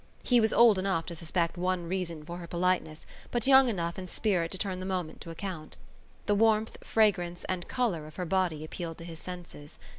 He was old enough to suspect one reason for her politeness but young enough in spirit to turn the moment to account. The warmth, fragrance and colour of her body appealed to his senses.